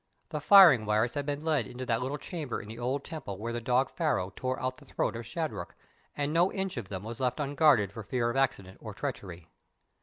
The firing wires had been led into that little chamber in the old temple where the dog Pharaoh tore out the throat of Shadrach, and no inch of them was left unguarded for fear of accident or treachery.